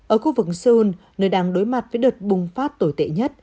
ở khu vực seoul nơi đang đối mặt với đợt bùng phát tồi tệ nhất